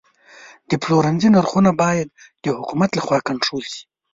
د پلورنځي نرخونه باید د حکومت لخوا کنټرول شي.